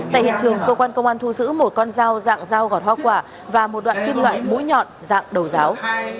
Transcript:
tại hiện trường cơ quan công an thu giữ một con dao dạng dao gọt hoa quả và một đoạn kim loại mũi nhọn dạng đầu giáo